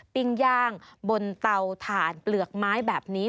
ปิ้งย่างบนเตาถ่านเปลือกไม้แบบนี้